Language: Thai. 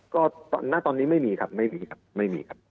ก็หน้าตอนนี้ไม่มีครับไม่มีครับ